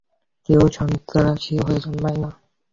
কেউই সন্ত্রাসী হয়ে জন্মায় না।